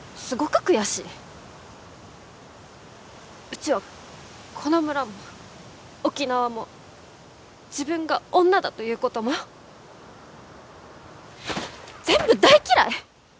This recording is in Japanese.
うちはこの村も沖縄も自分が女だということも全部大嫌い！